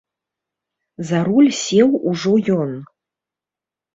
За руль сеў ужо ён.